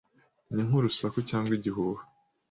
ni nk'urusaku cyangwa igihuha